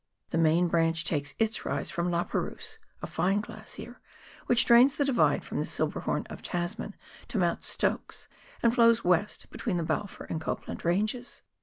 The main branch takes its rise from La Perouse, a fine glacier, which drains the Divide from the Silberhorn of Tasman to Mount Stokes, and flows west between the Balfour and Copland Ranges.